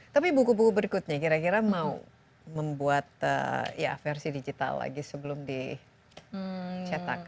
tapi buku buku berikutnya kira kira mau membuat ya versi digital lagi sebelum dicetak